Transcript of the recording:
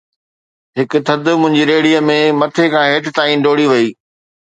هڪ ٿڌ منهنجي ريڙهيءَ ۾ مٿي کان هيٺ تائين ڊوڙي وئي